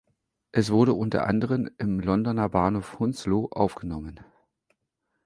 Es wurde unter anderem im Londoner Bahnhof Hounslow aufgenommen.